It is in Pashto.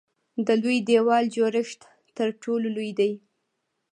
د لوی دیوال جوړښت تر ټولو لوی دی.